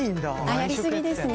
やり過ぎですね。